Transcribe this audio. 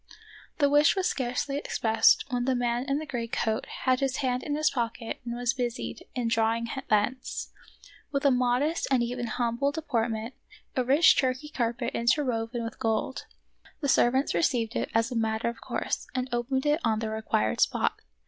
The wish was scarcely expressed when the man in the gray coat had his hand in his pocket and was busied in draw ing thence, with a modest and even humble de portment, a rich Turkey carpet interwoven with of Peter SchlemihL 7 gold. The servants received it as a matter of course and opened it on the required spot.